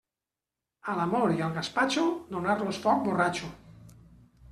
A l'amor i al gaspatxo, donar-los foc borratxo.